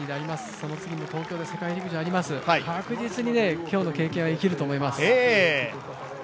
その次も東京で世界陸上があります、確実に今日の経験は生きると思います。